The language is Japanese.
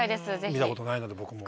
見たことないので僕も。